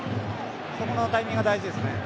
そこのタイミングが大事ですね。